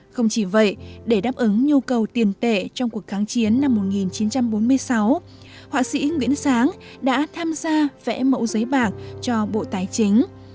không chỉ vậy để đáp ứng nhu cầu tiền tệ trong cuộc kháng chiến năm một nghìn chín trăm bốn mươi sáu họa sĩ nguyễn sáng đã tham gia vẽ mẫu giấy bạc cho bộ tài chính